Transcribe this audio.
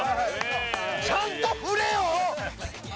ちゃんと振れよ！